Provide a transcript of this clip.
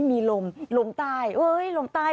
มีลมลมใต้เอ้ยลมใต้